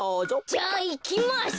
じゃあいきます！